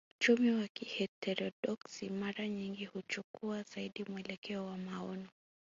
Uchumi wa kiheterodoksi mara nyingi huchukua zaidi mwelekeo wa maono